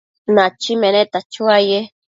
Nachi meneta chuaye